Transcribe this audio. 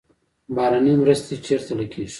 بهرنۍ مرستې چیرته لګیږي؟